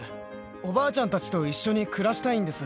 おばあちゃんたちと一緒に暮らしたいんです。